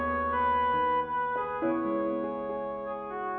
aku yang bawa eang ke rumah